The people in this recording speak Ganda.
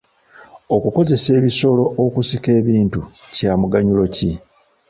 Okukozesa ebisolo okusika ebintu kya muganyulo ki?